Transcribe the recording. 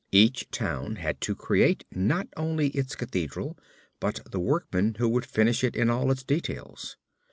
Each town had to create not only its cathedral but the workmen who would finish it in all its details.